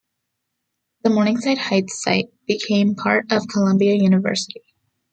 The Morningside Heights site became part of Columbia University.